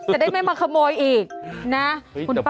จะได้ไม่มาขโมยอีกนะคุณป้า